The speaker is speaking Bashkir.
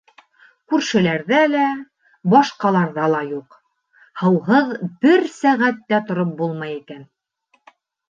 Күршеләрҙә лә, башҡаларҙа ла юҡ. һыуһыҙ бер сәғәт тә тороп булмай икән!